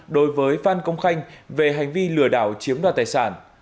đối với phan công khanh về hành vi lừa đảo chiếm đoạt tài sản